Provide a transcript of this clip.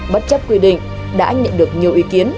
bất chấp quy định đã nhận được nhiều ý kiến